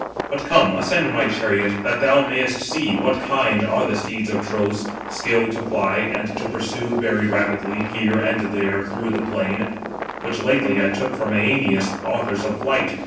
But come, ascend my chariot, that thou mayest see what kind are the steeds of Tros, skilled to fly and to pursue very rapidly, here and there, through the plain; which lately I took from Æneas, authors of flight.